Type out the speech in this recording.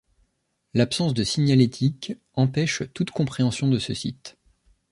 L'absence de signalétique empêche toute compréhension de ce site.